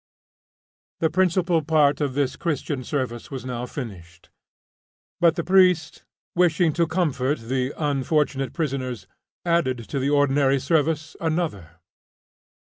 The principal part of this Christian service was now finished, but the priest, wishing to comfort the unfortunate prisoners, added to the ordinary service another.